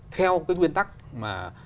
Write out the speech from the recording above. theo cái nguyên tắc mà